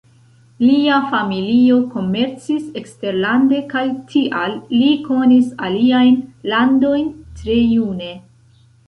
Lia familio komercis eksterlande, kaj tial li konis aliajn landojn tre june.